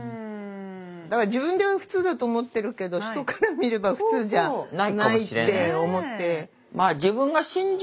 だから自分では普通だと思ってるけど人から見れば普通じゃないって思って。